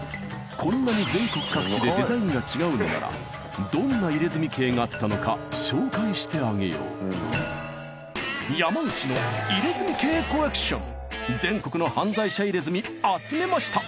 こんなに全国各地でデザインが違うのならどんな入墨刑があったのか紹介してあげよう全国の犯罪者入れ墨集めました